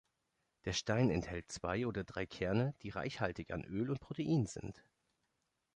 Der Stein enthält zwei oder drei Kerne, die reichhaltig an Öl und Protein sind.